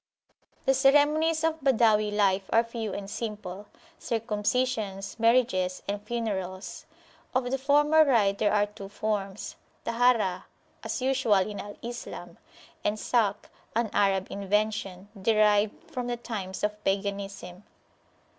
The ceremonies of Badawi life are few and simplecircumcisions, marriages, and funerals. Of the former rite there are two forms, Taharah, as usual in Al Islam, and Salkh, an Arab invention, derived from the times of Paganism.